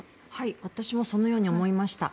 私もそのように思いました。